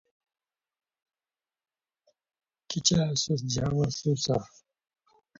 تہ بختہ کی زندہ استیتام اچی گوم، کی بیردو بیریتام خود بیردو بیریتام ریتائے